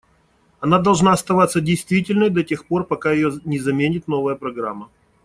Она должна оставаться действительной до тех пор, пока ее не заменит новая программа.